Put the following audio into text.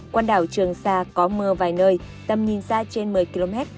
quần đảo trường sa có mưa vài nơi tầm nhìn xa trên một mươi km